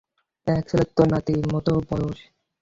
এক ছেলের তো নাতির মতো বয়স।